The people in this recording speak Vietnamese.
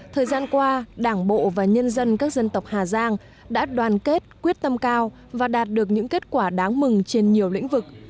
thời gian qua đảng bộ và nhân dân các dân tộc hà giang đã đoàn kết quyết tâm cao và đạt được những kết quả đáng mừng trên nhiều lĩnh vực